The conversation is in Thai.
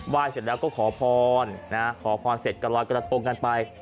ไหว้เสร็จแล้วก็ขอพรนะฮะขอพรเสร็จกระลอยกระทงกันไป